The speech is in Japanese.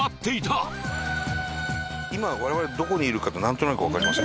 今我々どこにいるかってなんとなくわかります？